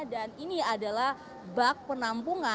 dan ini adalah bak penampungan